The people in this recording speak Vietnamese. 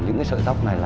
bà vượng nói với bà vượng